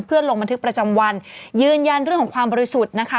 เพื่อลงบันทึกประจำวันยืนยันเรื่องของความบริสุทธิ์นะคะ